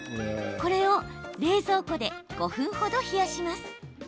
これを冷蔵庫で５分ほど冷やします。